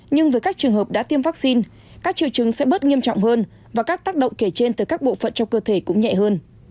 nhưng với các trường hợp đã tiêm vaccine các triệu chứng sẽ bớt nghiêm trọng hơn và các tác động kể trên từ các bộ phận trong cơ thể cũng nhẹ hơn